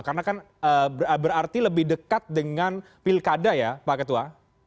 karena kan berarti lebih dekat dengan pilkada ya pak ketua